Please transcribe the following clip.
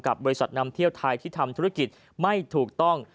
บริษัทนำเที่ยวไทยที่ทำธุรกิจไม่ถูกต้อง